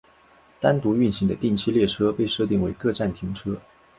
单独运行的定期列车被设定为各站停车。